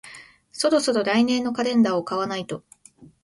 そろそろ来年のカレンダーを買わないと